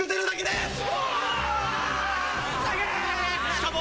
しかも。